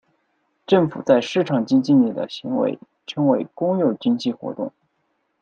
政府在市场经济里的行为称为公有经济活动。